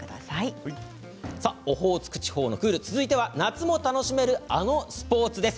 オホーツク地方のクール続いては夏も楽しめるある、スポーツです。